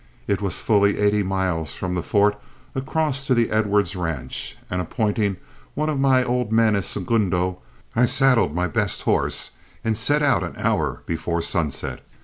It was fully eighty miles from the Fort across to the Edwards ranch, and appointing one of my old men as segundo, I saddled my best horse and set out an hour before sunset.